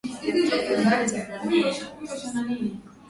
bahati mbaya kati ya Marekani na Urusi